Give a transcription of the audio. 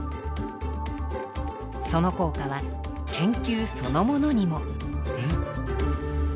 その効果は研究そのものにも。